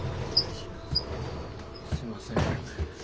すいません。